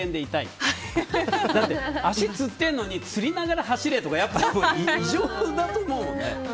だって足つってるのにつりながら走れとかやっぱり異常だと思う。